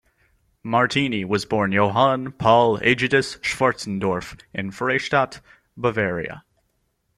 Martini was born Johann Paul Aegidius Schwarzendorf in Freystadt, Bavaria.